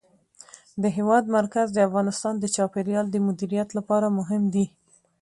د هېواد مرکز د افغانستان د چاپیریال د مدیریت لپاره مهم دي.